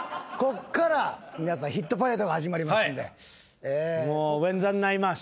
こっから皆さん『ヒットパレード』が始まりますんで。